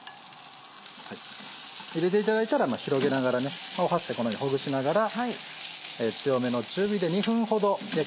入れていただいたら広げながら箸でこのようにほぐしながら。